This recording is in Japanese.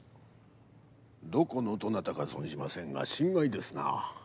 どこのどなたか存じませんが心外ですなぁ。